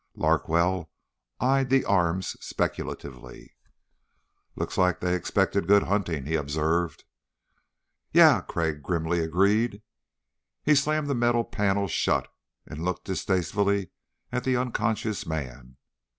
Larkwell eyed the arms speculatively. "Looks like they expected good hunting," he observed. "Yeah," Crag grimly agreed. He slammed the metal panel shut and looked distastefully at the unconscious man.